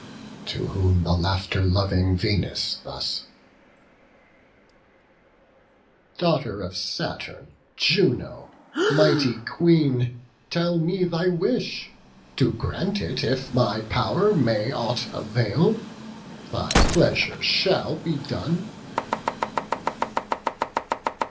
To whom the laughter loving Venus thus: "Daughter of Saturn, Juno, mighty Queen, Tell me thy wish; to grant it if my pow'r May aught avail, thy pleasure shall be done."